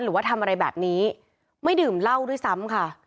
หรือว่าทำอะไรแบบนี้ไม่ดื่มเหล้าด้วยซ้ำค่ะ